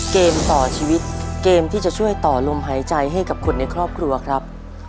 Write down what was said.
เกมต่อชีวิตเกมที่จะช่วยต่อลมหายใจให้กับคนในครอบครัวครับ